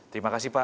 terima kasih pak